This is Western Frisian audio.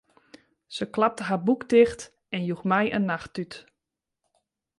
Se klapte har boek ticht en joech my in nachttút.